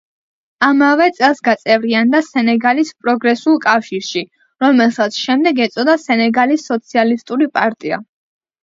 ამავე წელს გაწევრიანდა სენეგალის პროგრესულ კავშირში, რომელსაც შემდეგ ეწოდა სენეგალის სოციალისტური პარტია.